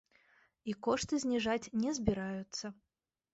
І кошты зніжаць не збіраюцца.